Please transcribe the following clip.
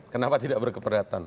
kenapa tidak berkeberatan